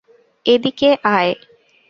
এদিকে আয়।